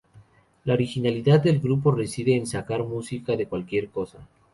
La originalidad del grupo reside en sacar música de cualquier cosa.